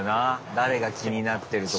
誰が気になってるとか。